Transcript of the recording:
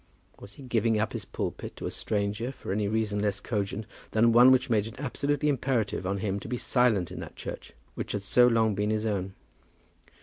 Was he giving up his pulpit to a stranger for any reason less cogent than one which made it absolutely imperative on him to be silent in that church which had so long been his own?